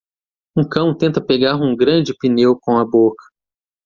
Um cão tenta pegar um grande pneu com a boca.